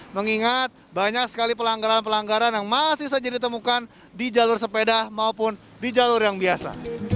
mengingat banyak sekali pelanggaran pelanggaran yang masih saja ditemukan di jalur sepeda maupun di jalur yang biasa